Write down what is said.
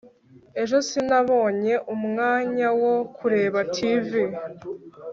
ejo sinabonye umwanya wo kureba tv